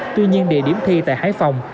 tuy nhiên địa điểm thi tại hải phòng